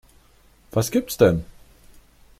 Was gibt's denn?